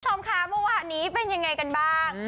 ชมคะเมื่อวานี้เป็นยังไงกันบ้าง